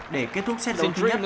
để kết thúc set đấu thứ nhất